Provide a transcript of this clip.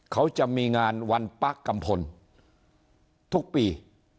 เขาจะมีงานวันป๊ากกัมพลทุกปี